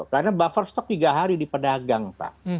karena buffer stok tiga hari di pedagang pak